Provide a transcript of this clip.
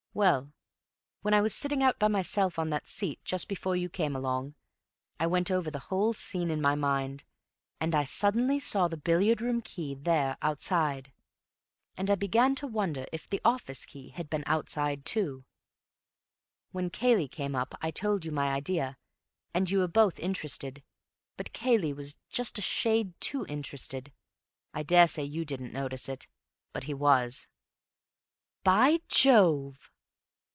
Well, when I was sitting out by myself on that seat just before you came along, I went over the whole scene in my mind, and I suddenly saw the billiard room key there—outside. And I began to wonder if the office key had been outside too. When Cayley came up, I told you my idea and you were both interested. But Cayley was just a shade too interested. I daresay you didn't notice it, but he was." "By Jove!"